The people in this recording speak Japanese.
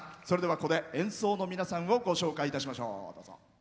それでは、ここで演奏の皆さんをご紹介いたしましょう。